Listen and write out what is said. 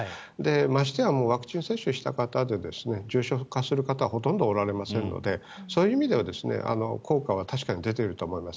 ましてや、ワクチン接種した方で重症化する方はほとんどおられませんのでそういう意味では効果は確かに出ていると思います。